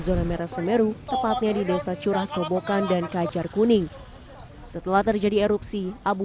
zona merah semeru tepatnya di desa curah kobokan dan kajar kuning setelah terjadi erupsi abu